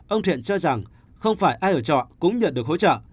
ông thiện cho rằng không phải ai ở trọ cũng nhận được hỗ trợ